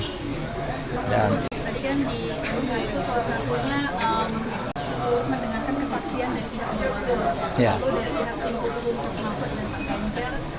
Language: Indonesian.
tadi kan di bunga itu salah satunya mendengarkan kesaksian dari pihak bapak soe